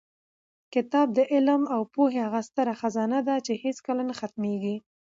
کتاب د علم او پوهې هغه ستره خزانه ده چې هېڅکله نه ختمېږي.